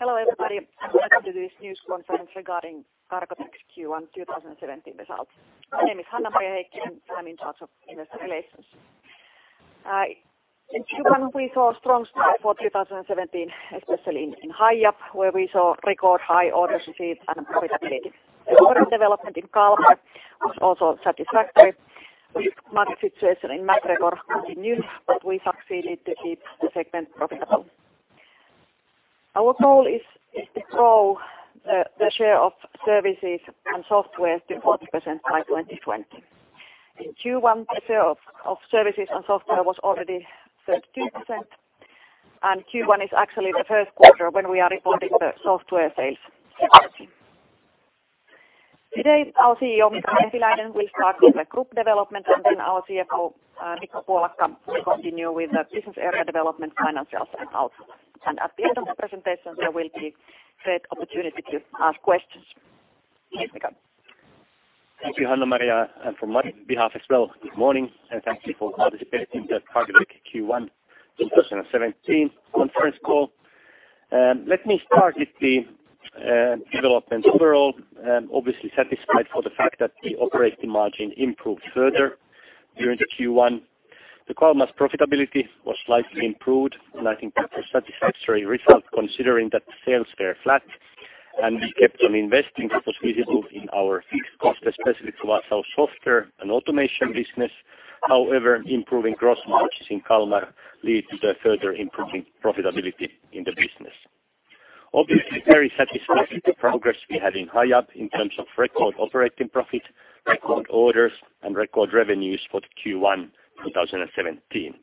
Hello, everybody, and welcome to this news conference regarding Cargotec's Q1 2017 results. My name is Hanna-Maria Heikkinen. I'm in charge of investor relations. In Q1 we saw strong start for 2017, especially in Hiab, where we saw record high orders received and profitability. The order development in Kalmar was also satisfactory. Weak market situation in MacGregor continued. We succeeded to keep the segment profitable. Our goal is to grow the share of services and softwares to 40% by 2020. In Q1 the share of services and software was already 32%. Q1 is actually the first quarter when we are reporting the software sales separately. Today, our CEO, Mika Vehviläinen, will start with the group development. Our CFO, Mikko Puolakka, will continue with the business area development financials and outlook. At the end of the presentation, there will be great opportunity to ask questions. Here's Mika. Thank you, Hanna-Maria, and from my behalf as well, good morning, and thank you for participating the Cargotec Q1 2017 conference call. Let me start with the developments overall. I'm obviously satisfied for the fact that the operating margin improved further during the Q1. The Kalmar's profitability was slightly improved, and I think that was satisfactory result considering that the sales were flat and we kept on investing. That was visible in our cost, especially towards our software and automation business. Improving gross margins in Kalmar lead to the further improving profitability in the business. Obviously very satisfied with the progress we had in Hiab in terms of record operating profit, record orders, and record revenues for the Q1 2017.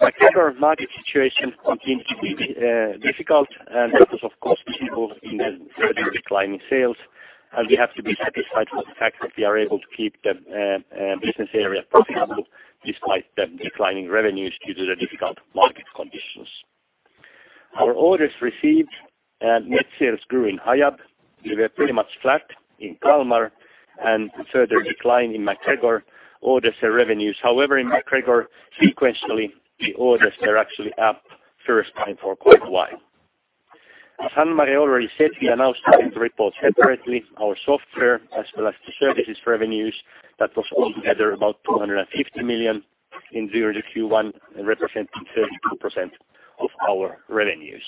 MacGregor market situation continued to be difficult. That was of course visible in the further declining sales. We have to be satisfied with the fact that we are able to keep the business area profitable despite the declining revenues due to the difficult market conditions. Our orders received, net sales grew in Hiab. They were pretty much flat in Kalmar and further decline in MacGregor orders and revenues. In MacGregor, sequentially, the orders are actually up first time for quite a while. Hanna-Maria already said, we announced that we report separately our software as well as the services revenues. All together about 250 million in Q1, representing 32% of our revenues.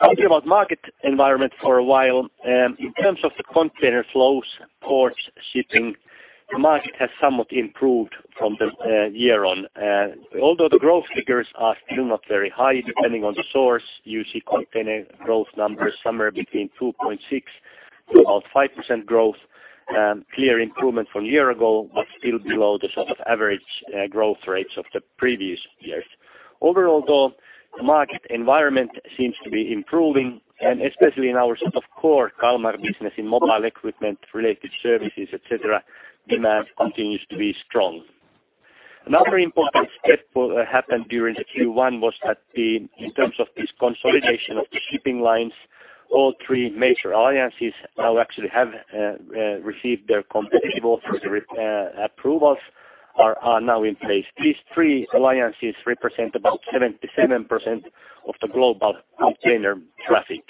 Talking about market environment for a while, in terms of the container flows, ports, shipping, the market has somewhat improved from the year on. Although the growth figures are still not very high, depending on the source, you see container growth numbers somewhere between 2.6% to about 5% growth. Clear improvement from year ago but still below the sort of average growth rates of the previous years. Overall, though, the market environment seems to be improving, and especially in our sort of core Kalmar business in mobile equipment related services, et cetera, demand continues to be strong. Another important step will happen during the Q1 was that the, in terms of this consolidation of the shipping lines, all three major alliances now actually have received their competitive or the approvals are now in place. These three alliances represent about 77% of the global container traffic.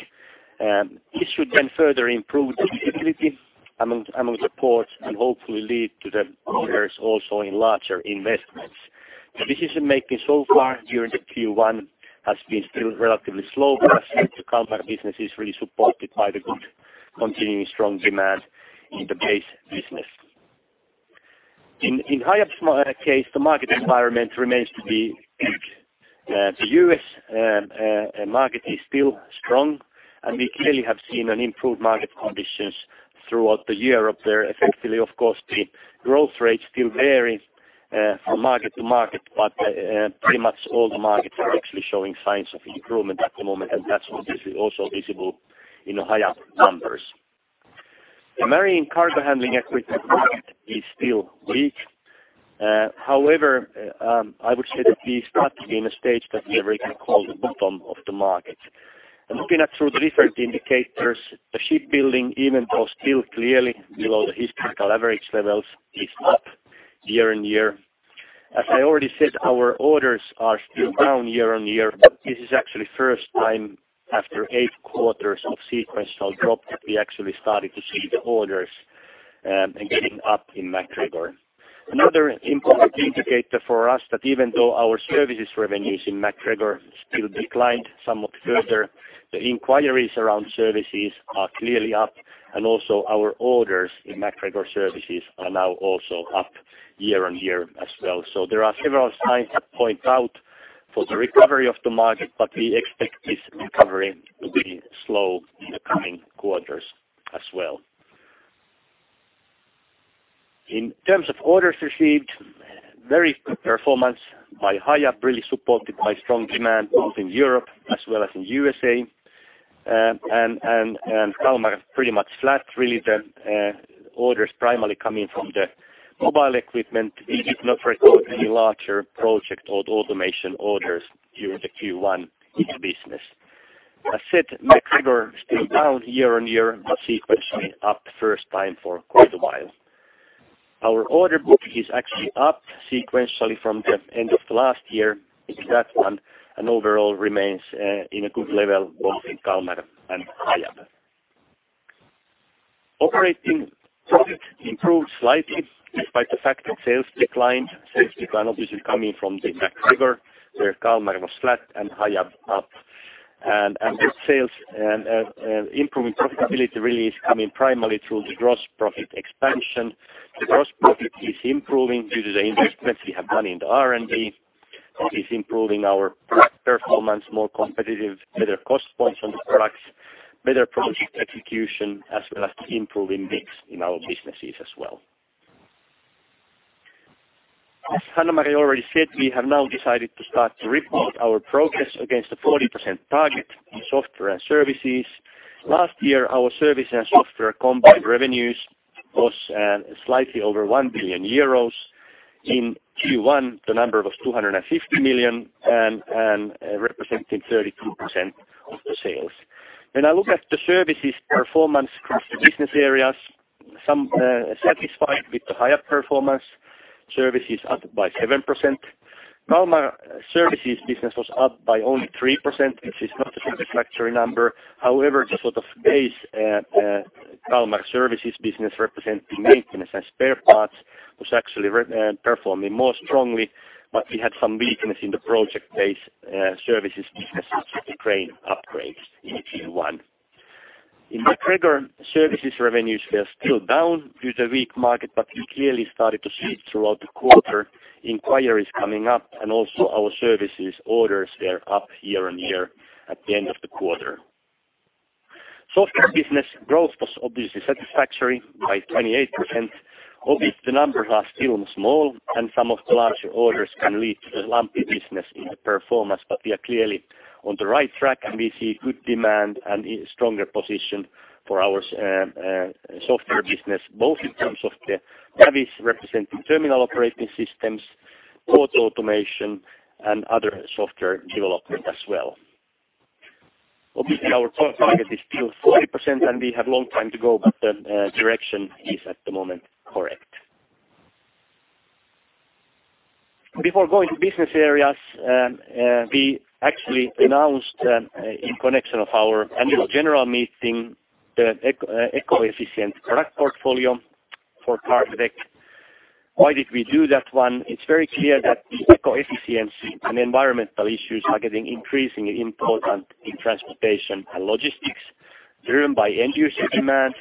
This should then further improve the stability among the ports and hopefully lead to the owners also in larger investments. The decision-making so far during the Q1 has been still relatively slow but actually the Kalmar business is really supported by the good continuing strong demand in the base business. In Hiab's case, the market environment remains to be weak. The U.S. market is still strong, and we clearly have seen an improved market conditions throughout the year up there. Effectively, of course, the growth rates still vary from market to market, but pretty much all the markets are actually showing signs of improvement at the moment, and that's obviously also visible in the Hiab numbers. The marine cargo handling equipment market is still weak. However, I would say that we start to be in a stage that we can call the bottom of the market. Looking at through the different indicators, the shipbuilding, even though still clearly below the historical average levels, is up year-on-year. As I already said, our orders are still down year-on-year, but this is actually first time after eight quarters of sequential drop that we actually started to see the orders and getting up in MacGregor. Another important indicator for us that even though our services revenues in MacGregor still declined somewhat further, the inquiries around services are clearly up, and also our orders in MacGregor services are now also up year-on-year as well. There are several signs that point out for the recovery of the market, but we expect this recovery to be slow in the coming quarters as well. In terms of orders received, very good performance by Hiab, really supported by strong demand both in Europe as well as in USA. Kalmar is pretty much flat, really the orders primarily coming from the mobile equipment. We did not record any larger project or automation orders during the Q1 in the business. As said, MacGregor still down year-on-year but sequentially up first time for quite a while. Our order book is actually up sequentially from the end of last year with that one, and overall remains in a good level both in Kalmar and Hiab. Operating profit improved slightly despite the fact that sales declined. Sales decline, obviously, coming from MacGregor, where Kalmar was flat and Hiab up. The sales and improving profitability really is coming primarily through the gross profit expansion. The gross profit is improving due to the investments we have done in the R&D. It is improving our product performance, more competitive, better cost points on the products, better project execution, as well as improving mix in our businesses as well. As Hanna-Maria already said, we have now decided to start to report our progress against the 40% target in software and services. Last year, our service and software combined revenues was slightly over 1 billion euros. In Q1, the number was 250 million and representing 32% of the sales. When I look at the services performance across the business areas, some satisfied with the higher performance. Services up by 7%. Kalmar Services business was up by only 3%, which is not a satisfactory number. The sort of base Kalmar Services business representing maintenance and spare parts was actually performing more strongly, but we had some weakness in the project-based services business with the crane upgrades in Q1. In the trigger, services revenues were still down due to weak market, we clearly started to see it throughout the quarter, inquiries coming up and also our services orders were up year-on-year at the end of the quarter. Software business growth was obviously satisfactory by 28%. Obviously, the numbers are still small and some of the larger orders can lead to the lumpy business in the performance, but we are clearly on the right track and we see good demand and a stronger position for our software business, both in terms of the Navis representing terminal operating systems, port automation and other software development as well. Obviously, our target is still 40%, and we have long time to go, but the direction is at the moment correct. Before going to business areas, we actually announced in connection of our annual general meeting the eco-efficient product portfolio for Cargotec. Why did we do that one? It's very clear that the eco-efficiency and environmental issues are getting increasingly important in transportation and logistics, driven by end user demand,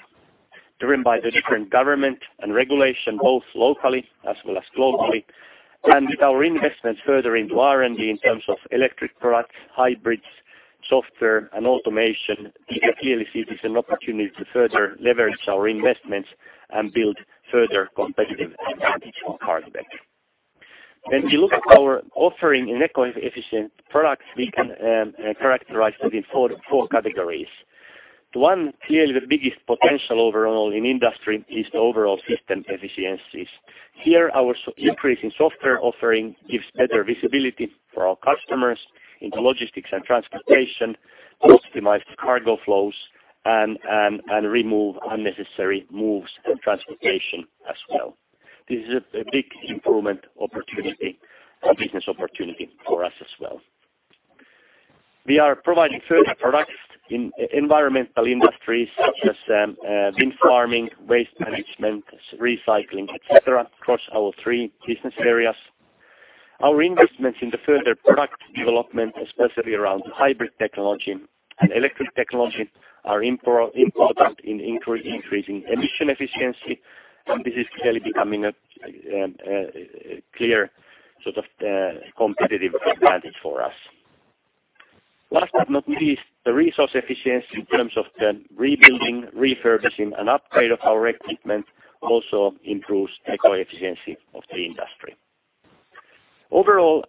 driven by the different government and regulation, both locally as well as globally. With our investments further into R&D in terms of electric products, hybrids, software and automation, we can clearly see it is an opportunity to further leverage our investments and build further competitive advantage for Cargotec. When we look at our offering in eco-efficient products, we can characterize it in four categories. The one, clearly the biggest potential overall in industry is the overall system efficiencies. Here, our increasing software offering gives better visibility for our customers into logistics and transportation to optimize the cargo flows and remove unnecessary moves and transportation as well. This is a big improvement opportunity and business opportunity for us as well. We are providing further products in environmental industries such as wind farming, waste management, recycling, et cetera, across our three business areas. Our investments in the further product development, especially around hybrid technology and electric technology, are important in increasing emission efficiency, and this is clearly becoming a clear sort of competitive advantage for us. Last but not least, the resource efficiency in terms of the rebuilding, refurbishing and upgrade of our equipment also improves eco-efficiency of the industry. Overall,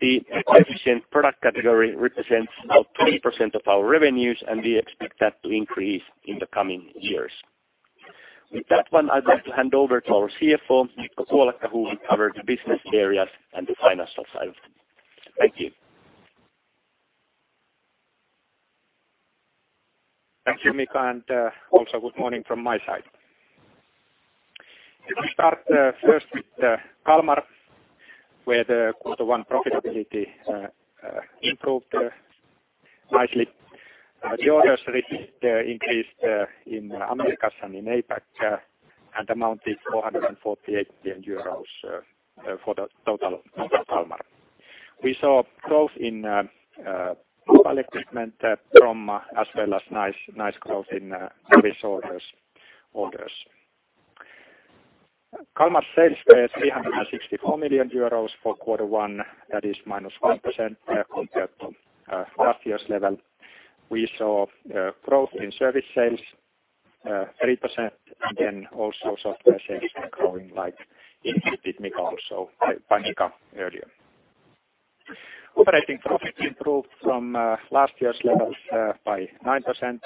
the eco-efficient product category represents about 3% of our revenues, and we expect that to increase in the coming years. With that one, I'd like to hand over to our CFO, Mikko Puolakka, who will cover the business areas and the financial side of it. Thank you. Thank you, Mika, and also good morning from my side. Let me start first with Kalmar, where the quarter one profitability improved nicely. The orders really increased in Americas and in APAC and amounted 448 million euros for the total of Kalmar. We saw growth in mobile equipment from as well as nice growth in service orders. Kalmar sales were 364 million euros for quarter one. That is -1% compared to last year's level. We saw growth in service sales 3%, and also software sales are growing like indicated Mika also by Mika earlier. Operating profit improved from last year's levels by 9%,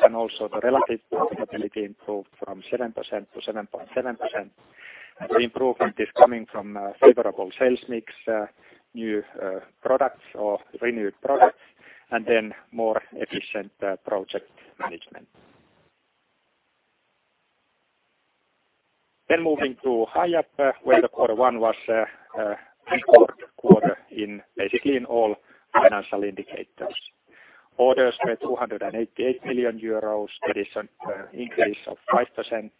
and also the relative profitability improved from 7%-7.7%. The improvement is coming from favorable sales mix, new products or renewed products, and then more efficient project management. Moving to Hiab, where the Q1 was a record quarter in basically in all financial indicators. Orders were 288 million euros. That is an increase of 5%.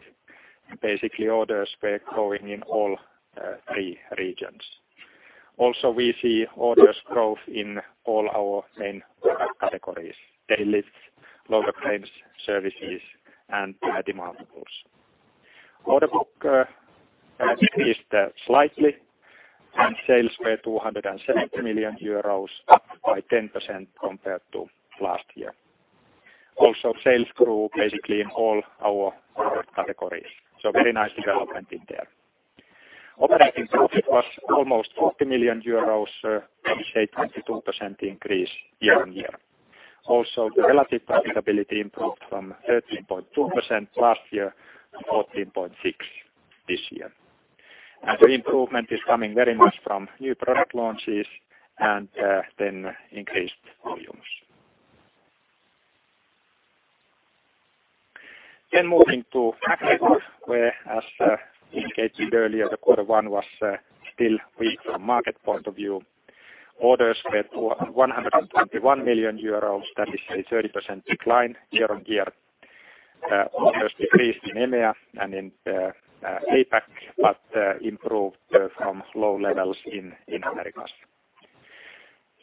Basically orders were growing in all three regions. We see orders growth in all our main product categories; tail lifts, loader cranes, services, and high demand booms. Order book has increased slightly and sales were 270 million euros, up by 10% compared to last year. Sales grew basically in all our product categories. Very nice development in there. Operating profit was almost 40 million euros, that is a 22% increase year-on-year. The relative profitability improved from 13.2% last year to 14.6% this year. The improvement is coming very much from new product launches and then increased volumes. Moving to MacGregor, where as indicated earlier, the quarter one was still weak from market point of view. Orders were 121 million euros. That is a 30% decline year-on-year. Orders decreased in EMEA and in APAC, but improved from low levels in Americas.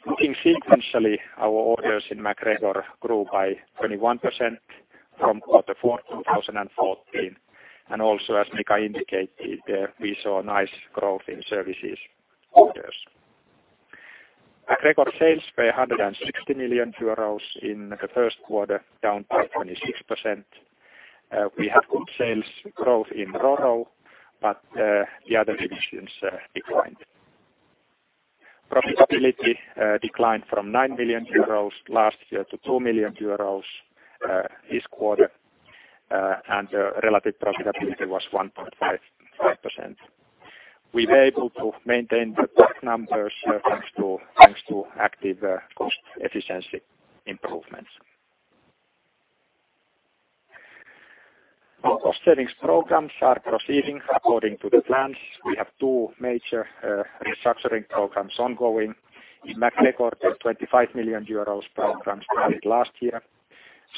Looking sequentially, our orders in MacGregor grew by 21% from quarter four in 2014, and also as Mika indicated, we saw nice growth in services orders. MacGregor sales were 160 million euros in the first quarter, down by 26%. We have good sales growth in roro, but the other divisions declined. Profitability declined from 9 million euros last year to 2 million euros this quarter. And relative profitability was 1.55%. We were able to maintain the top numbers, thanks to active cost efficiency improvements. Our cost savings programs are proceeding according to the plans. We have two major restructuring programs ongoing. In MacGregor, a 25 million euros program started last year.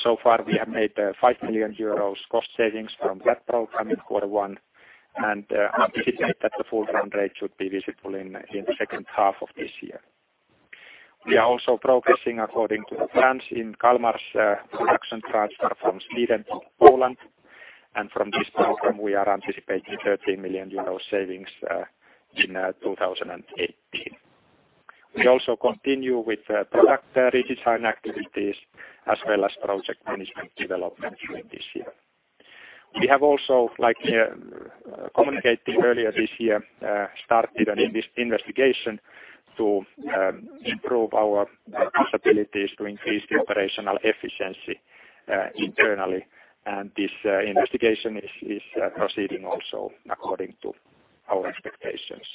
So far we have made 5 million euros cost savings from that program in quarter one, and anticipate that the full run rate should be visible in the second half of this year. We are also progressing according to the plans in Kalmar's production transfer from Sweden to Poland. From this program we are anticipating 13 million euro savings in 2018. We also continue with product redesign activities as well as project management development during this year. We have also like communicating earlier this year, started an investigation to improve our capabilities to increase the operational efficiency internally. This investigation is proceeding also according to our expectations.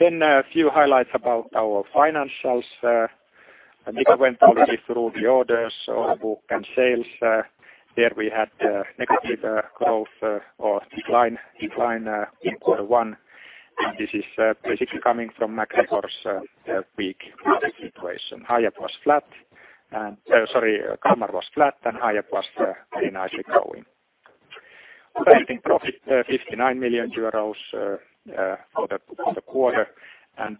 A few highlights about our financials. Mika went already through the orders, order book, and sales. There we had negative growth or decline in quarter one. This is basically coming from MacGregor's weak order situation. Hiab was flat. Sorry, Kalmar was flat and Hiab was very nicely growing. Operating profit, 59 million euros for the quarter, and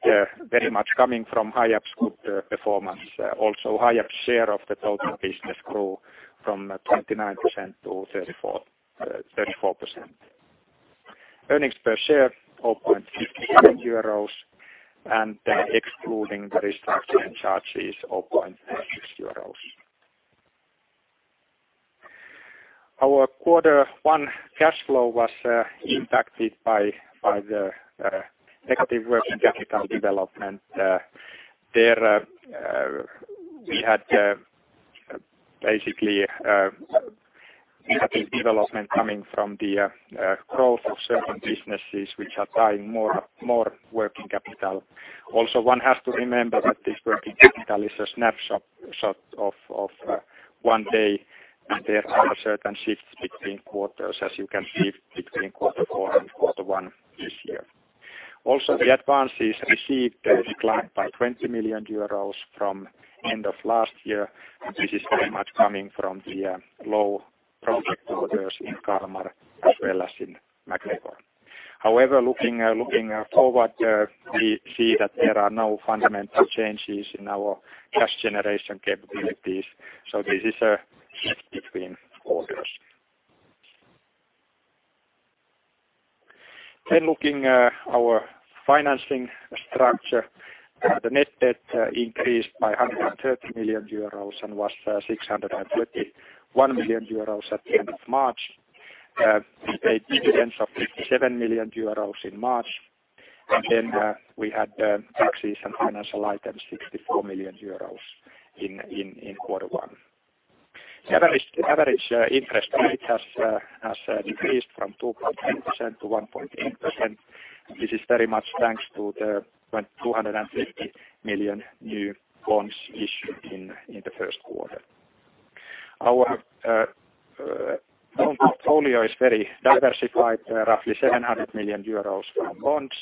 very much coming from Hiab's good performance. Also Hiab's share of the total business grew from 29%-34%. Earnings per share, 4.57 euros, and excluding the restructuring charges, 4.6 euros. Our Q1 cash flow was impacted by the negative working capital development. There, we had basically negative development coming from the growth of certain businesses which are tying more working capital. Also one has to remember that this working capital is a snapshot of one day, and there are certain shifts between quarters as you can see between Q4 and Q1 this year. The advances received declined by 20 million euros from end of last year. This is very much coming from the low project orders in Kalmar as well as in MacGregor. Looking forward, we see that there are no fundamental changes in our cash generation capabilities, so this is a shift between quarters. Looking our financing structure. The net debt increased by 130 million euros and was 631 million euros at the end of March. We paid dividends of 57 million euros in March. We had taxes and financial items 64 million euros in quarter one. The average interest rate has decreased from 2.8%-1.8%. This is very much thanks to the 250 million new bonds issued in the first quarter. Our loan portfolio is very diversified, roughly 700 million euros from bonds,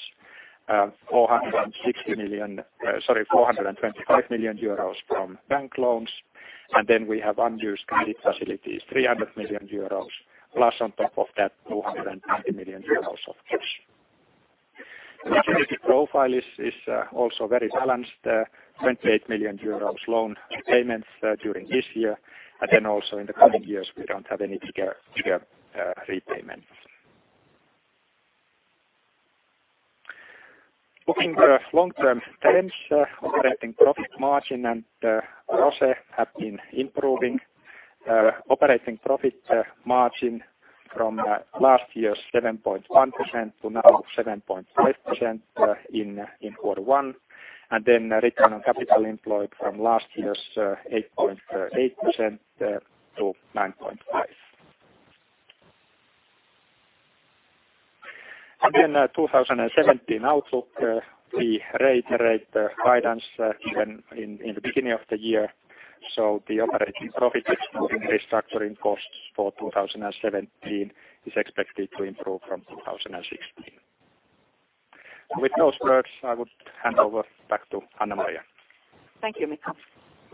460 million, sorry, 425 million euros from bank loans. We have unused credit facilities, 300 million euros, plus on top of that, 290 million euros of cash. The liquidity profile is also very balanced, 28 million euros loan repayments during this year. Also in the coming years, we don't have any bigger repayments. Looking to long-term trends, operating profit margin and ROCE have been improving. Operating profit margin from last year's 7.1% to now 7.5% in Q1. Return on Capital Employed from last year's 8.8%-9.5%. 2017 outlook, we reiterate the guidance given in the beginning of the year. The operating profit excluding restructuring costs for 2017 is expected to improve from 2016. With those words, I would hand over back to Hanna-Maria. Thank you, Mika.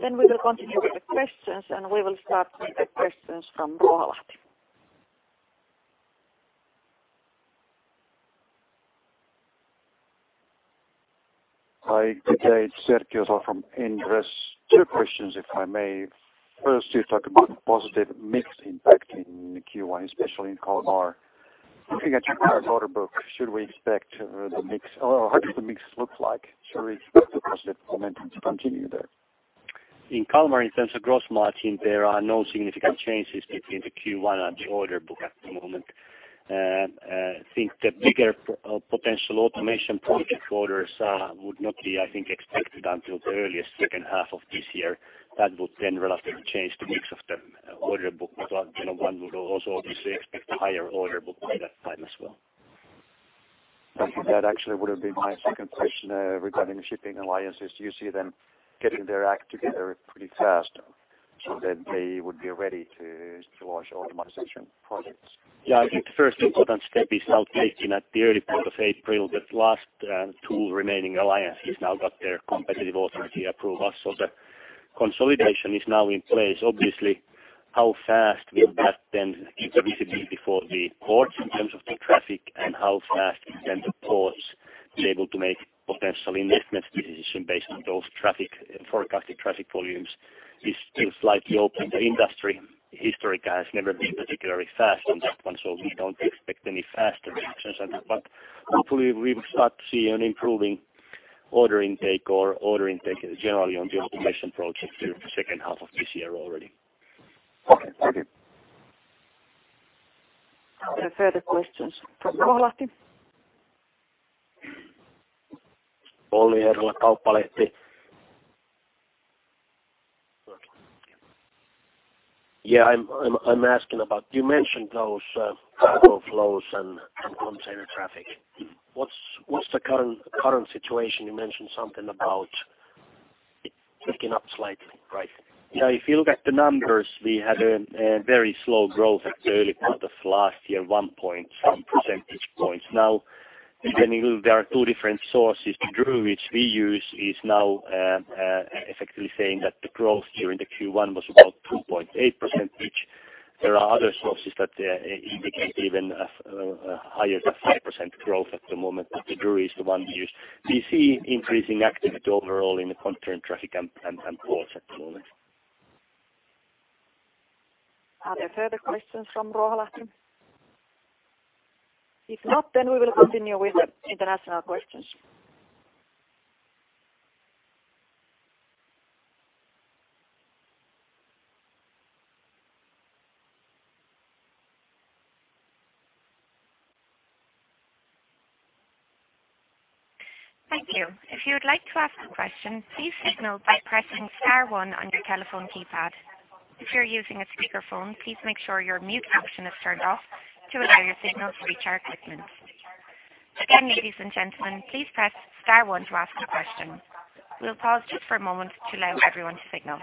We will continue with the questions, and we will start with the questions from Ruoholahti. Hi, good day. It's Sergio from Investo. Two questions if I may. First, you talked about positive mix impact in Q1, especially in Kalmar. Looking at your current order book, should we expect the mix or how does the mix look like? Should we expect the positive momentum to continue there? In Kalmar, in terms of gross margin, there are no significant changes between the Q1 and the order book at the moment. I think the bigger potential automation project orders would not be, I think, expected until the earliest second half of this year. That would then relatively change the mix of the order book. You know, one would also obviously expect a higher order book by that time as well. Thank you. That actually would have been my second question, regarding the shipping alliances. Do you see them getting their act together pretty fast so that they would be ready to launch optimization projects? Yeah, I think the first important step is now taking at the early part of April, the last two remaining alliances now got their competitive authority approval. The consolidation is now in place. Obviously, how fast will that then give the visibility for the ports in terms of the traffic and how fast can then the ports be able to make potential investment decision based on those traffic, forecasted traffic volumes is still slightly open. The industry historically has never been particularly fast on that one, so we don't expect any faster reactions on that. Hopefully we will start to see an improving order intake or order intake generally on the automation projects through the second half of this year already. Okay. Thank you. Are there further questions from Ruoholahti? Olli Herrala, Kauppalehti. Yeah, I'm asking about, you mentioned those cargo flows and container traffic. What's the current situation? You mentioned something about picking up slightly, right? Yeah, if you look at the numbers, we had a very slow growth at the early part of last year, one point some percentage points. Depending, there are two different sources. Drewry, which we use, is effectively saying that the growth during the Q1 was about 2.8%. There are other sources that indicate even a higher than 5% growth at the moment. The Drewry is the one we use. We see increasing activity overall in the container traffic and ports at the moment. Are there further questions from Ruoholahti? If not, then we will continue with the international questions. Thank you. If you would like to ask a question, please signal by pressing star one on your telephone keypad. If you're using a speakerphone, please make sure your mute function is turned off to allow your signal to reach our equipment. Again, ladies and gentlemen, please press star one to ask a question. We'll pause just for a moment to allow everyone to signal.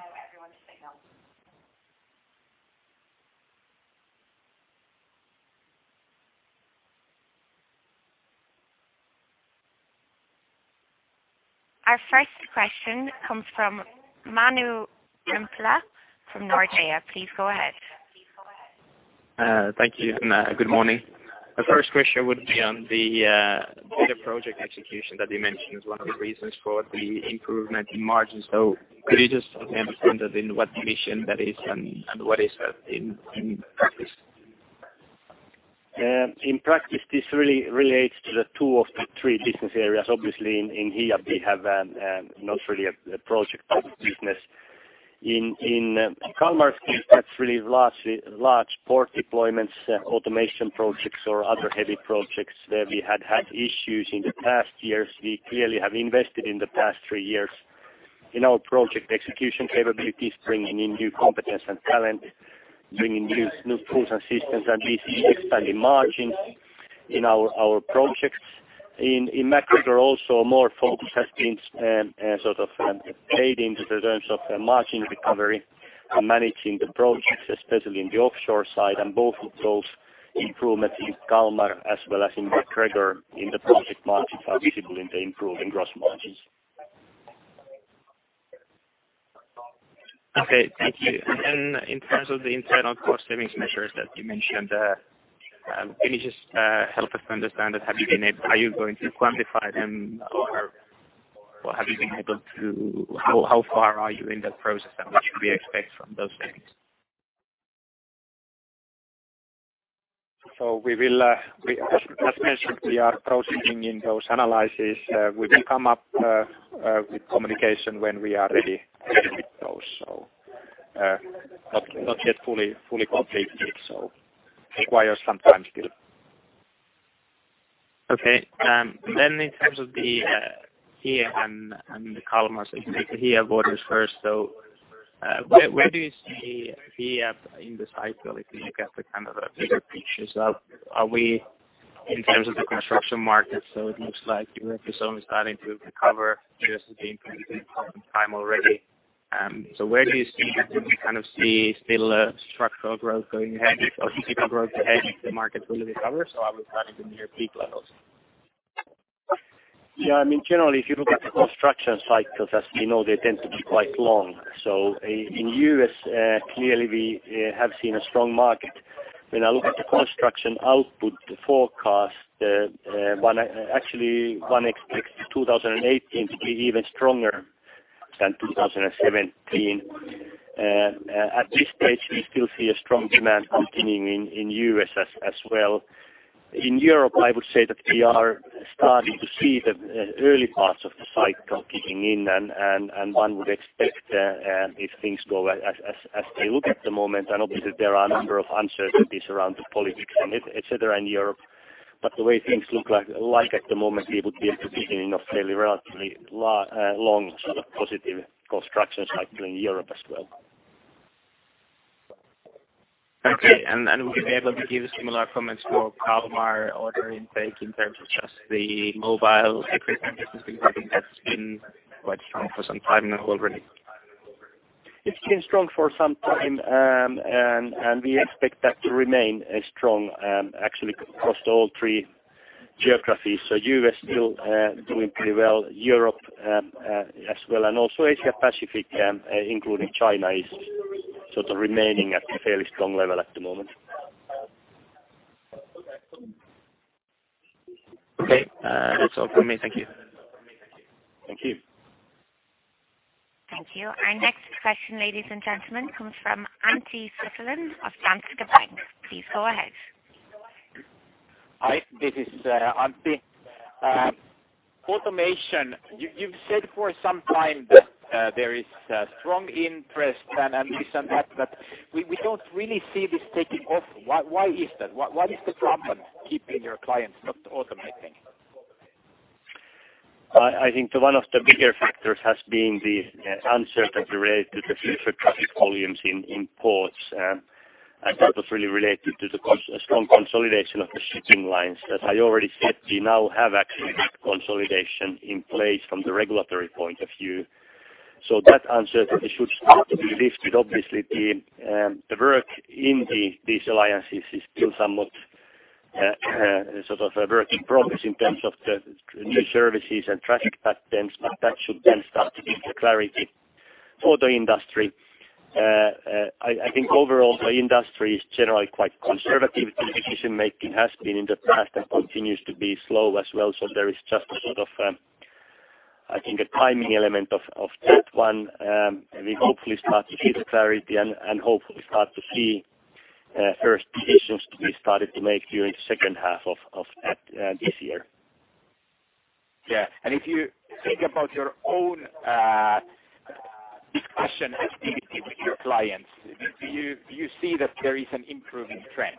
Our first question comes from Manu Rimpelä from Nordea. Please go ahead. Thank you, and good morning. The first question would be on the bigger project execution that you mentioned was one of the reasons for the improvement in margins. Could you just help me understand that in what division that is and what is that in practice? In practice, this really relates to the two of the three business areas. Obviously in Hiab we have not really a project type of business. In Kalmar's case, that's really largely large port deployments, automation projects or other heavy projects where we had issues in the past years. We clearly have invested in the past three years in our project execution capabilities, bringing in new competence and talent, bringing new tools and systems, and this is expanding margins in our projects. In MacGregor also more focus has been paid in the terms of margin recovery and managing the projects, especially in the offshore side and both of those improvements in Kalmar as well as in MacGregor in the project margin are visible in the improving gross margins. Okay, thank you. In terms of the internal cost savings measures that you mentioned, can you just help us to understand that are you going to quantify them or How far are you in that process, and what should we expect from those savings? We will, as mentioned, we are proceeding in those analyses. We will come up with communication when we are ready with those. Not yet fully completed, so requires some time still. Okay. In terms of the here and the Kalmar, if we take here orders first. Where, where do you see here in this cycle if you look at the kind of the bigger picture? Are we in terms of the construction market, so it looks like the U.S. is only starting to recover? This has been some time already. Where do you kind of see still a structural growth going ahead or growth ahead if the market will recover? Are we starting to near peak levels? I mean, generally, if you look at the construction cycles, as we know, they tend to be quite long. In U.S., clearly we have seen a strong market. When I look at the construction output forecast, actually one expects 2018 to be even stronger than 2017. At this stage, we still see a strong demand continuing in U.S. as well. In Europe, I would say that we are starting to see the early parts of the cycle kicking in and one would expect, if things go as they look at the moment, and obviously there are a number of uncertainties around the politics and et cetera in Europe. The way things look like at the moment, we would be at the beginning of fairly, relatively long sort of positive construction cycle in Europe as well. Okay. Would you be able to give similar comments for Kalmar order intake in terms of just the mobile equipment business in Europe that's been quite strong for some time now already? It's been strong for some time, and we expect that to remain strong, actually across all three geographies. U.S. still doing pretty well, Europe as well, and also Asia Pacific, including China, is sort of remaining at a fairly strong level at the moment. Okay. That's all from me. Thank you. Thank you. Thank you. Our next question, ladies and gentlemen, comes from Antti Suttelin of Danske Bank. Please go ahead. Hi. This is Antti. Automation, you've said for some time that there is strong interest and this and that. We don't really see this taking off. Why is that? What is the problem keeping your clients not automating? I think one of the bigger factors has been the uncertainty related to the future traffic volumes in ports, and that was really related to the strong consolidation of the shipping lines. As I already said, we now have actually that consolidation in place from the regulatory point of view. That uncertainty should start to be lifted. Obviously, the work in these alliances is still somewhat sort of a work in progress in terms of the new services and traffic patterns, that should then start to give the clarity for the industry. I think overall the industry is generally quite conservative. Decision-making has been in the past and continues to be slow as well. There is just a sort of, I think a timing element of that one. We hopefully start to see the clarity and hopefully start to see first decisions to be started to make during the second half of that this year. Yeah. If you think about your own, discussion activity with your clients, do you see that there is an improving trend?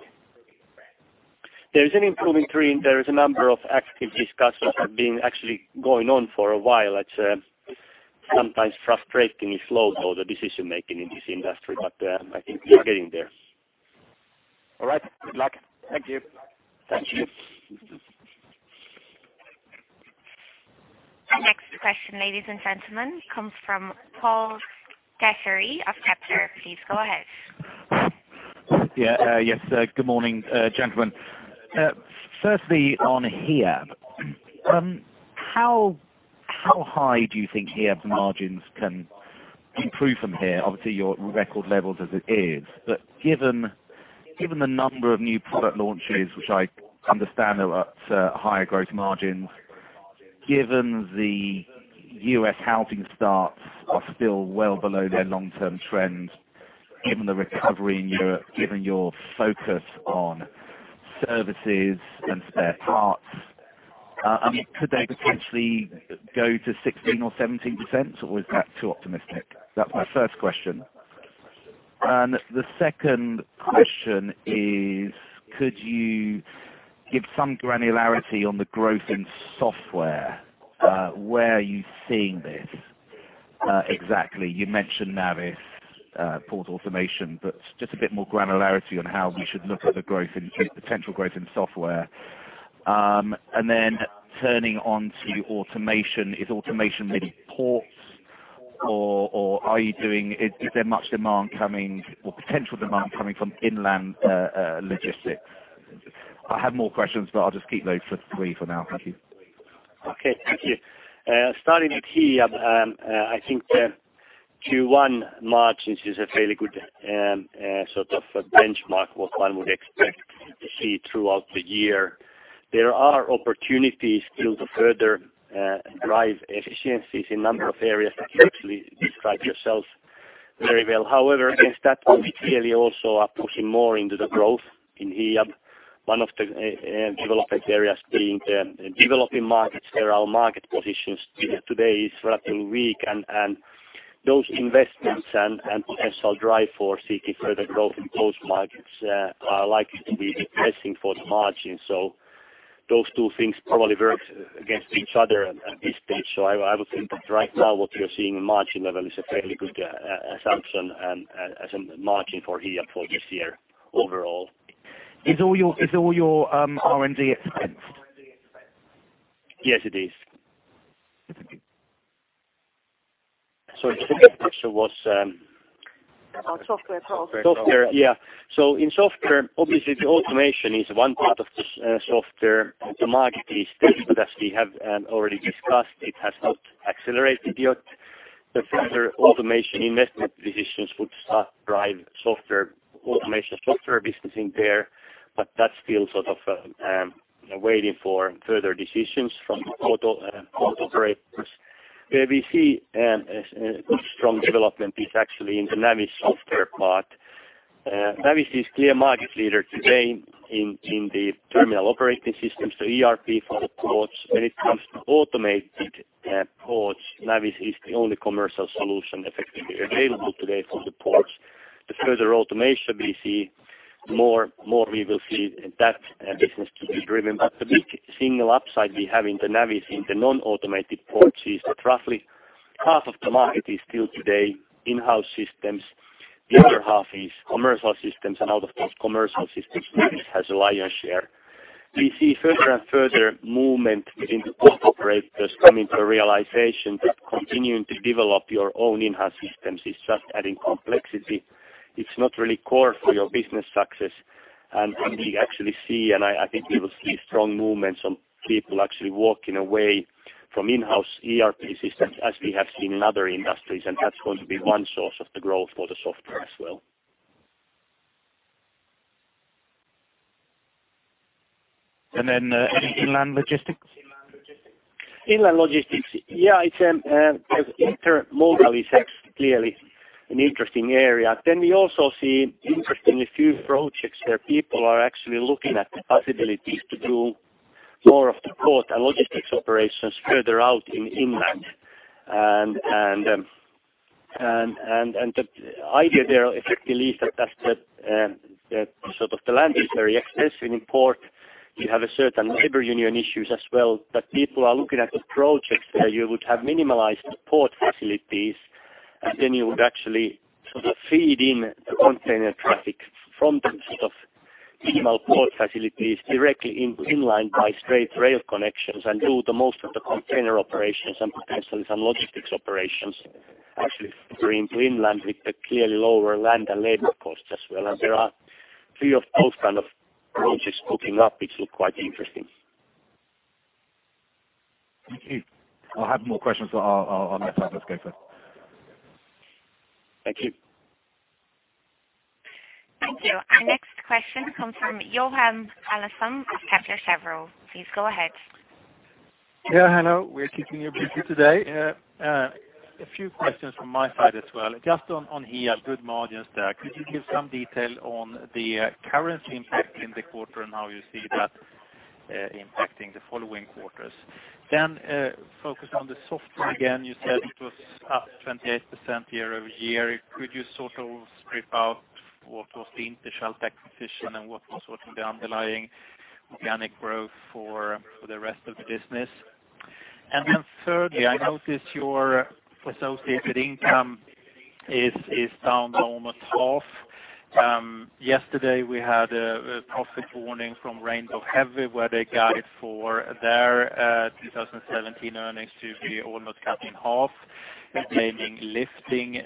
There is an improving trend. There is a number of active discussions that have been actually going on for a while. It's sometimes frustratingly slow, though, the decision-making in this industry, but I think we're getting there. All right. Good luck. Thank you. Thank you. Our next question, ladies and gentlemen, comes from Paul Checketts of Kepler. Please go ahead. Yeah. Yes, good morning, gentlemen. Firstly, on here, how high do you think here the margins can improve from here? Obviously, you're at record levels as it is, but given the number of new product launches, which I understand are at higher growth margins, given the U.S. housing starts are still well below their long-term trend, given the recovery in Europe, given your focus on services and spare parts, I mean, could they potentially go to 16% or 17%, or is that too optimistic? That's my first question. The second question is could you give some granularity on the growth in software? Where are you seeing this exactly? You mentioned Navis, port automation, but just a bit more granularity on how we should look at the potential growth in software. Turning on to automation. Is automation really ports or is there much demand coming or potential demand coming from inland logistics? I have more questions, but I'll just keep those for three for now. Thank you. Okay, thank you. Starting with Hiab, I think the Q1 margins is a fairly good sort of a benchmark what one would expect to see throughout the year. There are opportunities still to further drive efficiencies in number of areas that you actually described yourself very well. Against that, we clearly also are pushing more into the growth in Hiab. One of the development areas being developing markets where our market positions today is relatively weak and those investments and potential drive for seeking further growth in those markets are likely to be depressing for the margins. Those two things probably work against each other at this stage. I would think that right now, what you're seeing in margin level is a fairly good assumption and as in margin for Hiab for this year overall. Is all your R&D expense? Yes, it is. Sorry, the second question was. Oh, software growth. Software, yeah. In software, obviously the automation is one part of software. The market is still, as we have already discussed, it has not accelerated yet. The further automation investment decisions would start to drive software automation, software business in there, but that's still sort of waiting for further decisions from the auto operators. Where we see a good strong development is actually in the Navis software part. Navis is clear market leader today in the terminal operating systems, so ERP for the ports. When it comes to automated ports, Navis is the only commercial solution effectively available today for the ports. The further automation we see, more we will see that business to be driven. The big single upside we have in the Navis in the non-automated ports is that roughly half of the market is still today in-house systems, the other half is commercial systems, and out of those commercial systems, Navis has a lion's share. We see further and further movement in the port operators coming to a realization that continuing to develop your own in-house systems is just adding complexity. It's not really core for your business success. We actually see, I think we will see strong movements on people actually walking away from in-house ERP systems as we have seen in other industries, and that's going to be one source of the growth for the software as well. Any inland logistics? Inland logistics. Yeah, it's intermodal is clearly an interesting area. We also see interestingly few projects where people are actually looking at the possibilities to do more of the port and logistics operations further out in inland. The idea there effectively is that that sort of the land is very expensive in port. You have a certain labor union issues as well. People are looking at the projects where you would have minimalized port facilities. Then you would actually sort of feed in the container traffic from the sort of inland port facilities directly inland by straight rail connections and do the most of the container operations and potentially some logistics operations actually further into inland with the clearly lower land and labor costs as well. There are few of those kind of projects cooking up, which look quite interesting. Thank you. I'll have more questions, but I'll let others go first. Thank you. Thank you. Our next question comes from Johan Eliason of Kepler Cheuvreux. Please go ahead. Hello. We're keeping you busy today. A few questions from my side as well. Just on here, good margins there. Could you give some detail on the currency impact in the quarter and how you see that impacting the following quarters? Focus on the software again. You said it was up 28% year over year. Could you sort of strip out what was the initial acquisition and what was sort of the underlying organic growth for the rest of the business? Thirdly, I noticed your associated income is down almost half. Yesterday, we had a profit warning from Rainbow Heavy Industries where they guide for their 2017 earnings to be almost cut in half, blaming lifting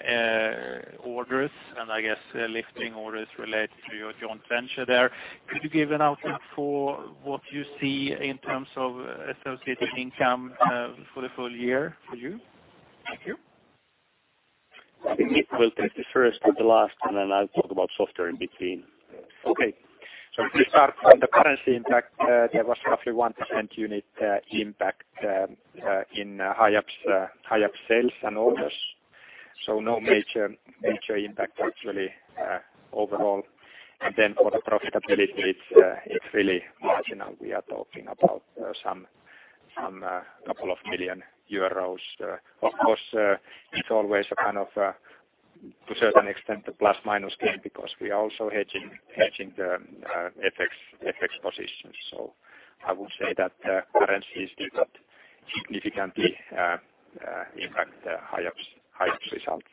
orders, and I guess lifting orders related to your joint venture there. Could you give an outlook for what you see in terms of associated income, for the full year for you? Thank you. I think Mik will take the first and the last, and then I'll talk about software in between. Okay. If we start from the currency impact, there was roughly 1% unit impact in Hiab's Hiab sales and orders. No major impact actually. Overall, for the profitability it's really marginal. We are talking about some couple of million EUR. Of course, it's always a kind of a to a certain extent a plus minus gain because we are also hedging the FX positions. I would say that currencies did not significantly impact the Hiab's Hiab results.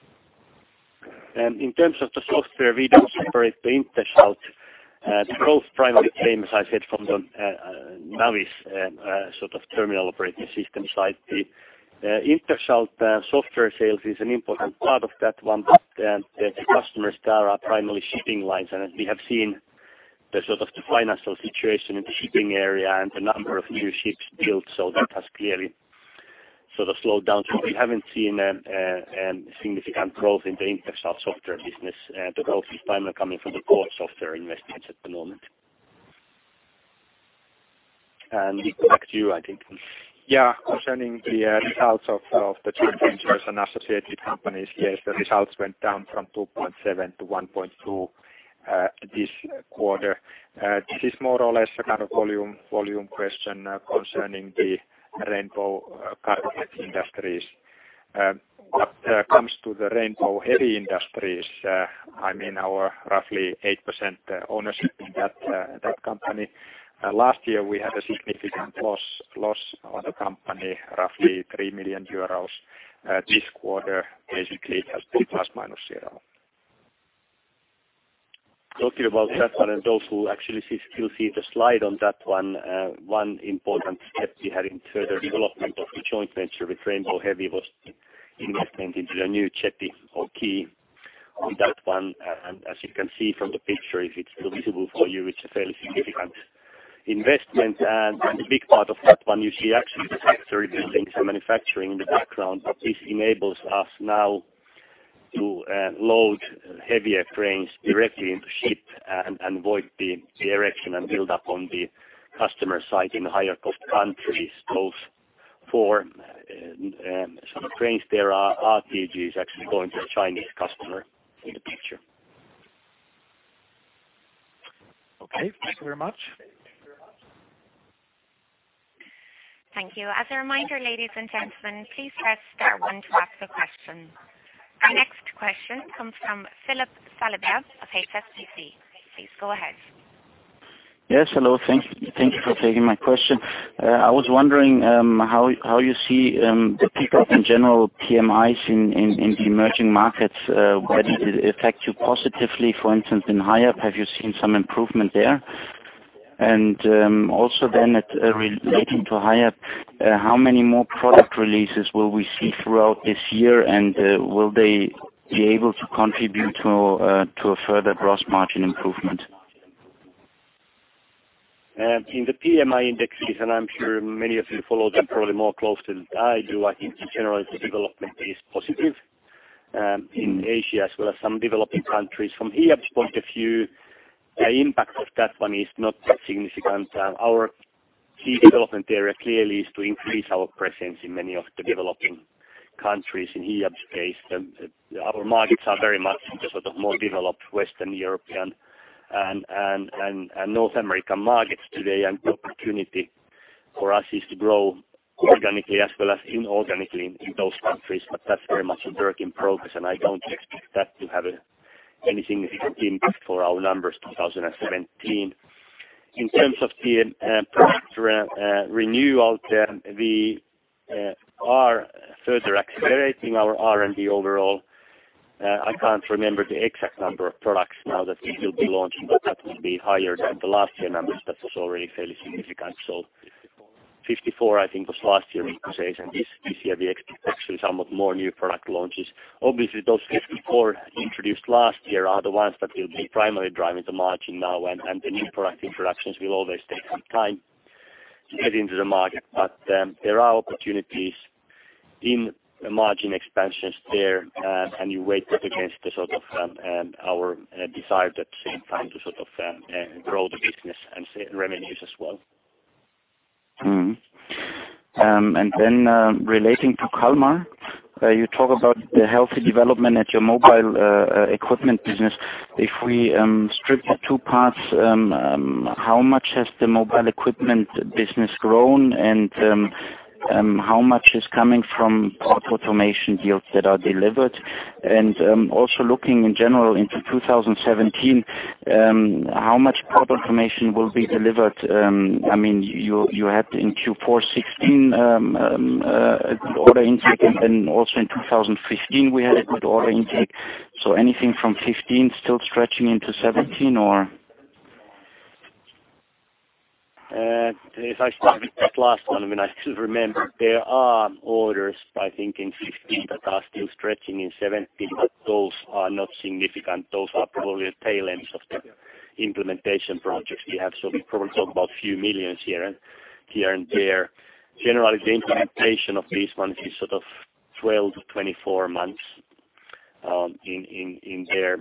In terms of the software, we don't separate the Interschalt. The growth primarily came, as I said, from the Navis sort of terminal operating system side. The Navis software sales is an important part of that one. The customers there are primarily shipping lines. As we have seen the sort of the financial situation in the shipping area and the number of new ships built, that has clearly sort of slowed down. We haven't seen a significant growth in the Navis software business. The growth is primarily coming from the core software investments at the moment. Back to you, I think. Yeah. Concerning the results of the joint ventures and associated companies, yes, the results went down from 2.7-1.2 this quarter. This is more or less a kind of volume question concerning the Rainbow Heavy Industries. What comes to the Rainbow Heavy Industries, I mean, our roughly 8% ownership in that company, last year we had a significant loss on the company, roughly 3 million euros. This quarter basically has been plus minus zero. Talking about that one, and those who actually see, still see the slide on that one important step we had in further development of the joint venture with Rainbow Heavy Industries was the investment into the new ship or key on that one. As you can see from the picture, if it's still visible for you, it's a fairly significant investment. A big part of that one you see actually the factory buildings and manufacturing in the background. This enables us now to load heavier cranes directly into ship and avoid the erection and build up on the customer site in higher cost countries, both for some cranes there are RTGs actually going to a Chinese customer in the picture. Okay. Thank you very much. Thank you. As a reminder, ladies and gentlemen, please press star one to ask a question. Our next question comes from Philip Saliba of HSBC. Please go ahead. Yes, hello. Thank you for taking my question. I was wondering how you see the pickup in general PMIs in the emerging markets, whether it affect you positively, for instance, in Hiab, have you seen some improvement there? Also then relating to Hiab, how many more product releases will we see throughout this year? Will they be able to contribute to a further gross margin improvement? In the PMI indexes, and I'm sure many of you follow them probably more closely than I do, I think in general the development is positive, in Asia as well as some developing countries. From Hiab's point of view, the impact of that one is not that significant. Our key development area clearly is to increase our presence in many of the developing countries in Hiab space. Our markets are very much in the sort of more developed Western European and North American markets today, and the opportunity for us is to grow organically as well as inorganically in those countries, but that's very much a work in progress, and I don't expect that to have any significant impact for our numbers 2017. In terms of the product renewal, we are further accelerating our R&D overall. I can't remember the exact number of products now that we will be launching, but that will be higher than the last year numbers. That was already fairly significant. So 54, I think, was last year we could say, and this year we actually some of more new product launches. Obviously, those 54 introduced last year are the ones that will be primarily driving the margin now, and the new product introductions will always take some time to get into the market. But there are opportunities in margin expansions there, and you weight that against the sort of our desire at the same time to sort of grow the business and revenues as well. And then, relating to Kalmar, you talk about the healthy development at your mobile equipment business. If we strip that two parts, how much has the mobile equipment business grown? And how much is coming from port automation deals that are delivered? And also looking in general into 2017, how much port automation will be delivered? I mean, you had in Q4 2016 order intake and then also in 2015 we had a good order intake. So anything from 2015 still stretching into 2017 or? If I start with that last one, I mean, I still remember there are orders, I think, in 2016 that are still stretching in 2017, but those are not significant. Those are probably the tail ends of the implementation projects we have. We probably talk about few million EUR here and there. Generally, the implementation of these ones is sort of 12-24 months in there.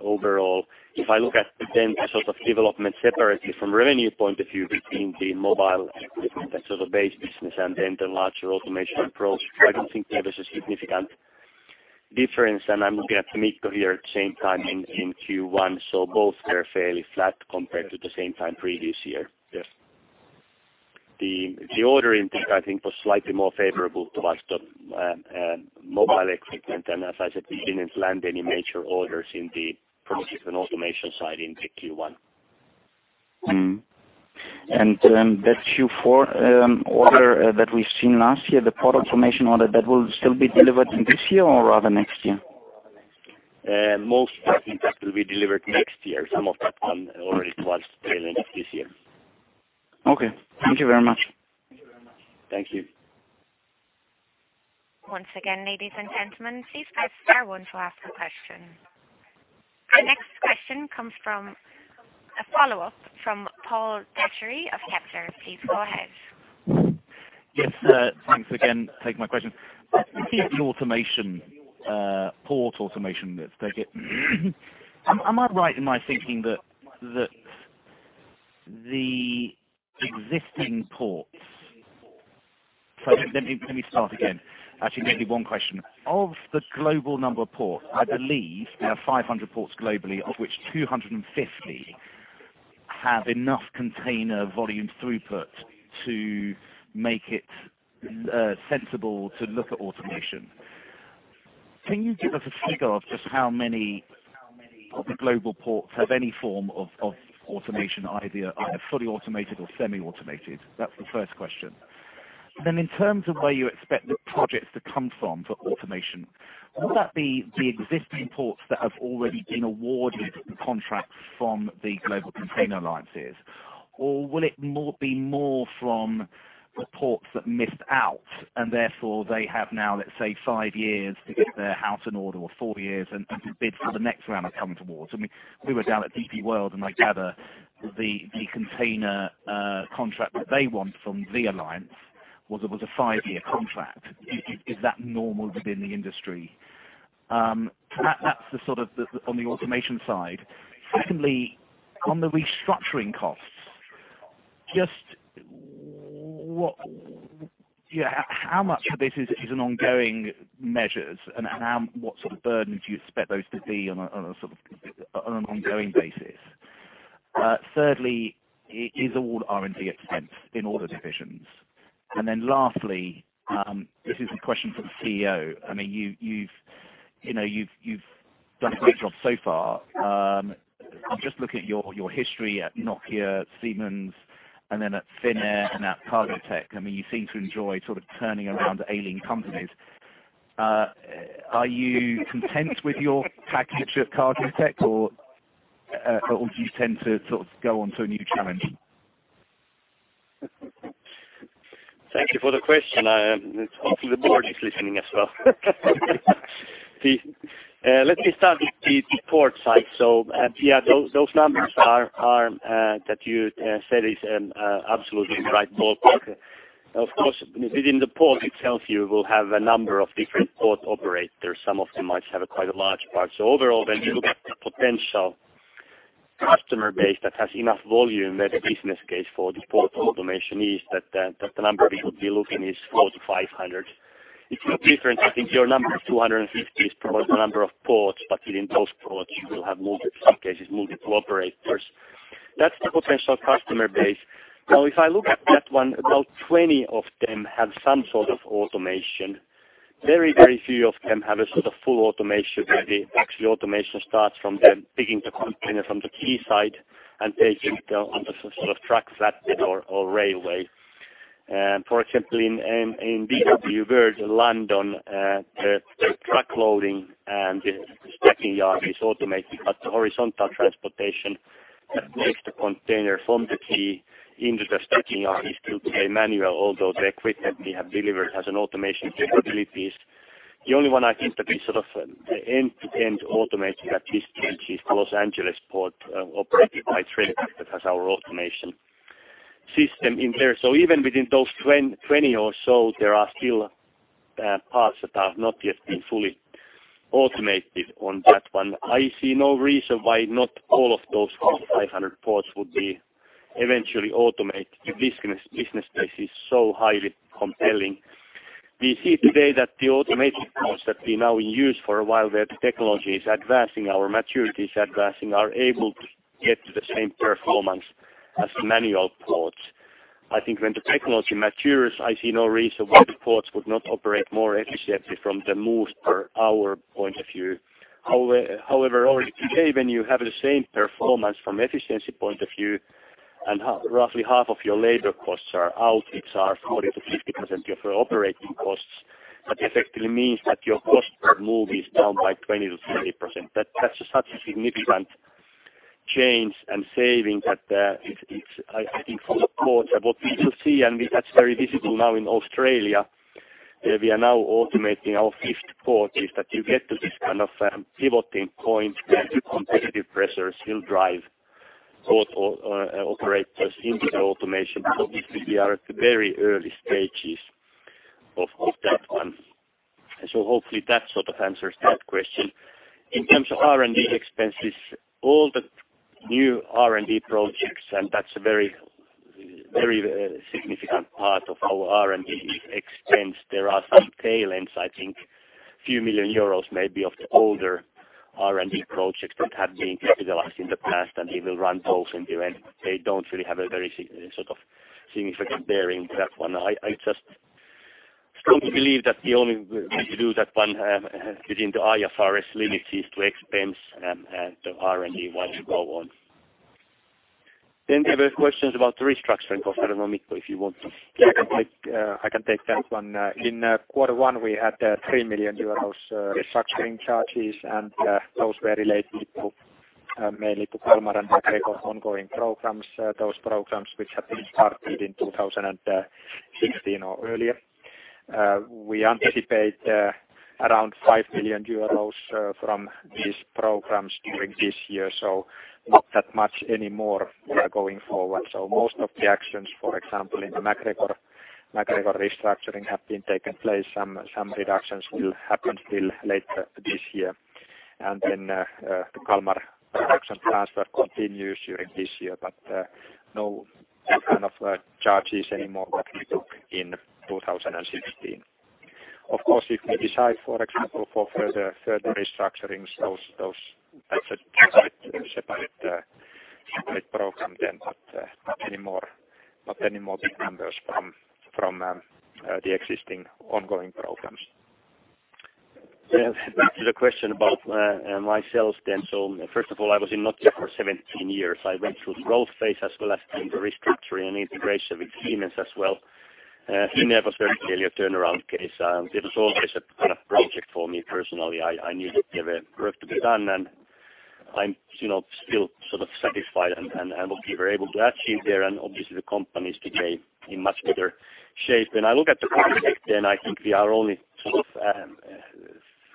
Overall, if I look at then the sort of development separately from revenue point of view between the mobile equipment and sort of base business and then the larger automation approach, I don't think there is a significant difference, and I'm looking at the mid-year same time in Q1, so both were fairly flat compared to the same time previous year. Yes. The order intake, I think, was slightly more favorable to us than mobile equipment. As I said, we didn't land any major orders in the prohibitive automation side in the Q1. That Q4 order that we've seen last year, the port automation order, that will still be delivered in this year or rather next year? Most of that will be delivered next year. Some of that come already towards the end of this year. Okay. Thank you very much. Thank you. Once again, ladies and gentlemen, please press star one to ask a question. The next question comes from a follow-up from Paul Checketts of Kepler. Please go ahead. Yes, thanks again for taking my question. The automation, port automation bit. Am I right in my thinking that the existing ports? Sorry, let me start again. Actually, maybe one question. Of the global number of ports, I believe there are 500 ports globally, of which 250 have enough container volume throughput to make it sensible to look at automation. Can you give us a figure of just how many of the global ports have any form of automation, either fully automated or semi-automated? That's the first question. In terms of where you expect the projects to come from for automation, will that be the existing ports that have already been awarded contracts from the global container alliances? Will it be more from the ports that missed out, and therefore they have now, let's say, five years to get their house in order or four years and bid for the next round of coming towards? I mean, we were down at DP World, and I gather the container contract that they want from the alliance it was a five year contract. Is that normal within the industry? That's the sort of the, on the automation side. Secondly, on the restructuring costs, how much of this is an ongoing measures and how, what sort of burdens you expect those to be on a sort of, on an ongoing basis? Thirdly, is all R&D expense in all the divisions? Then lastly, this is a question from CEO. I mean, you've, you know, you've done a great job so far. I'm just looking at your history at Nokia, Siemens, and then at Finnair and at Cargotec. I mean, you seem to enjoy sort of turning around ailing companies. Are you content with your package at Cargotec, or do you tend to sort of go on to a new challenge? Thank you for the question. Hopefully, the board is listening as well. Let me start with the port side. Yeah, those numbers are that you said is absolutely the right ballpark. Of course, within the port itself, you will have a number of different port operators. Some of them might have quite a large part. Overall, when you look at the potential customer base that has enough volume, that the business case for the port automation is that the number we would be looking is 400-500. It's no different. I think your number, 250, is probably the number of ports, but within those ports, you will have multiple, some cases, multiple operators. That's the potential customer base. If I look at that one, about 20 of them have some sort of automation. Very, very few of them have a sort of full automation, where the actual automation starts from them taking the container from the key side and taking it on the sort of truck flatbed or railway. For example, in DP World, London, the truck loading and the stacking yard is automated, but the horizontal transportation that takes the container from the key into the stacking yard is still today manual, although the equipment we have delivered has an automation capabilities. The only one I think that is sort of end-to-end automated at this point is the Los Angeles port, operated by TraPac, that has our automation system in there. Even within those 20 or so, there are still parts that have not yet been fully automated on that one. I see no reason why not all of those 400-500 ports would be eventually automated. The business case is so highly compelling. We see today that the automated ports that we now use for a while, where the technology is advancing, our maturity is advancing, are able to get to the same performance as manual ports. I think when the technology matures, I see no reason why the ports could not operate more efficiently from the moves per hour point of view. However, already today, when you have the same performance from efficiency point of view and roughly half of your labor costs are out, it's 40%-50% of your operating costs, that effectively means that your cost per move is down by 20%-30%. That's such a significant change and saving that it's, I think for the ports, what we will see, and that's very visible now in Australia, we are now automating our fifth port, is that you get to this kind of pivoting point where the competitive pressures will drive port operators into the automation. We are at the very early stages of that one. Hopefully that sort of answers that question. In terms of R&D expenses, all the new R&D projects, and that's a very significant part of our R&D expense. There are some tail ends, I think few million EUR maybe of the older R&D projects that have been capitalized in the past, and we will run both in the end. They don't really have a very sort of significant bearing to that one. I just strongly believe that the only way to do that one within the IFRS limit is to expense the R&D once you go on. There were questions about the restructuring of Multilift, if you want to... Yeah, I can take that one. In quarter one, we had 3 million euros restructuring charges. Those were related to mainly to Kalmar and MacGregor ongoing programs, those programs which have been started in 2016 or earlier. We anticipate around 5 million euros from these programs during this year, so not that much anymore going forward. Most of the actions, for example, in the MacGregor restructuring have been taken place. Some reductions will happen till later this year. Then, the Kalmar production transfer continues during this year, but no kind of charges anymore like we took in 2016. Of course, if we decide, for example, for further restructurings, those. That's a separate program, not anymore big numbers from the existing ongoing programs. Back to the question about myself. First of all, I was in Nokia for 17-years. I went through growth phase as well as doing the restructuring and integration with Siemens as well. Siemens was very clearly a turnaround case. It was always a kind of project for me personally. I knew that we have a work to be done, and I'm, you know, still sort of satisfied and what we were able to achieve there and obviously the company is today in much better shape. When I look at the project then I think we are only sort of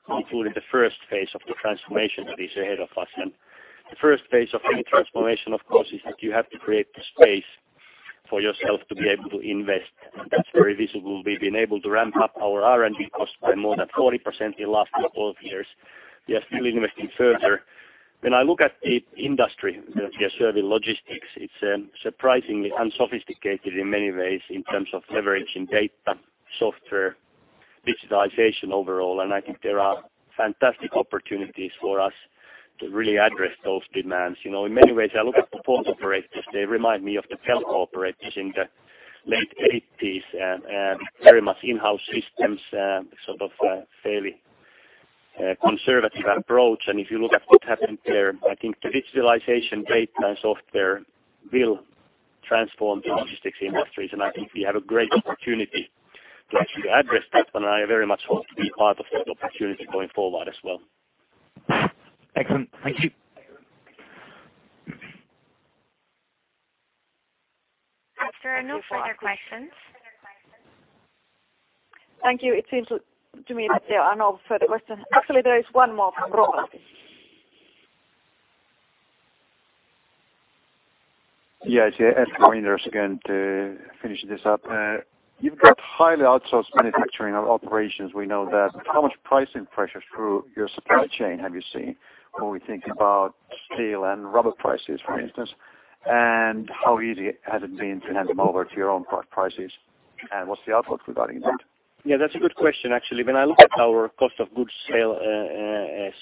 concluding the first phase of the transformation that is ahead of us. The first phase of any transformation, of course, is that you have to create the space for yourself to be able to invest. That's very visible. We've been able to ramp up our R&D costs by more than 40% in last couple of years, we are still investing further. When I look at the industry that we are serving, logistics, it's surprisingly unsophisticated in many ways in terms of leveraging data, software, digitalization overall. I think there are fantastic opportunities for us to really address those demands. You know, in many ways, I look at the port operators, they remind me of the telco operators in the late eighties and very much in-house systems, sort of, fairly conservative approach. If you look at what happened there, I think the digitalization data and software will transform the logistics industries, and I think we have a great opportunity to actually address that. I very much hope to be part of that opportunity going forward as well. Excellent. Thank you. After, no further questions. Thank you. It seems to me that there are no further questions. Actually, there is one more from Roland. Yes, it's Roland here again to finish this up. You've got highly outsourced manufacturing operations, we know that. How much pricing pressures through your supply chain have you seen when we think about steel and rubber prices, for instance? How easy has it been to hand them over to your own prices? What's the outlook regarding that? Yeah, that's a good question, actually. When I look at our cost of goods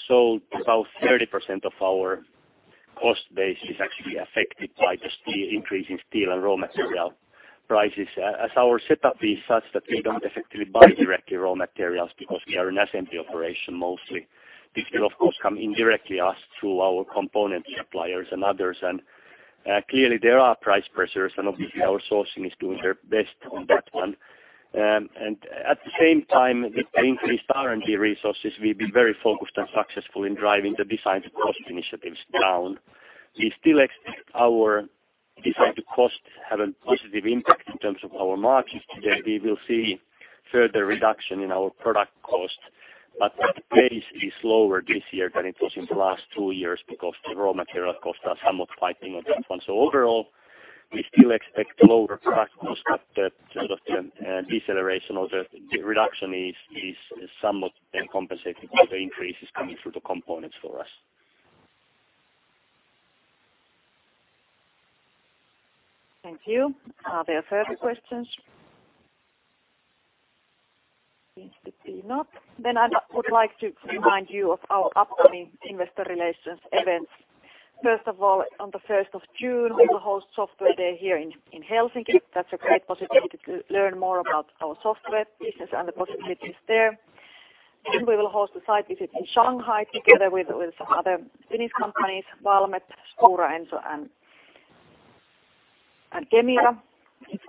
sold, about 30% of our cost base is actually affected by the steel increase in steel and raw material prices. As our setup is such that we don't effectively buy directly raw materials because we are an assembly operation mostly. This will of course come indirectly us through our component suppliers and others. Clearly, there are price pressures, and obviously our sourcing is doing their best on that one. At the same time, with the increased R&D resources, we've been very focused and successful in driving the design to cost initiatives down. We still expect our design to cost have a positive impact in terms of our margins. Today, we will see further reduction in our product costs. The pace is slower this year than it was in the last two years because the raw material costs are somewhat fighting on that one. Overall, we still expect lower product costs, but the sort of the deceleration or the reduction is somewhat then compensated by the increases coming through the components for us. Thank you. Are there further questions? Seems to be not. I would like to remind you of our upcoming investor relations events. First of all, on the 1st of June, we will host Software Day here in Helsinki. That's a great possibility to learn more about our software business and the possibilities there. We will host a site visit in Shanghai together with some other Finnish companies, Valmet, Stora Enso, and Kemira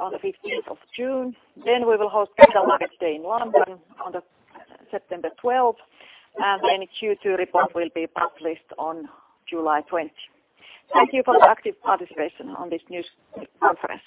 on the 15th of June. We will host Capital Markets Day in London on September 12th, and then Q2 report will be published on July 20. Thank you for your active participation on this news conference.